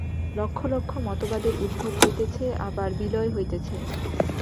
লক্ষ লক্ষ মতবাদের উদ্ভব হইতেছে, আবার বিলয় হইতেছে।